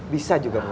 bisa juga mudah